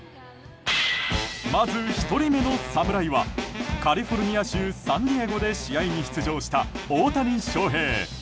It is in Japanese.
まず１人目の侍はカリフォルニア州サンディエゴで試合に出場した大谷翔平。